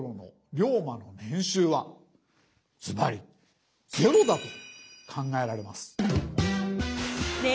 ずばり０だと考えられます。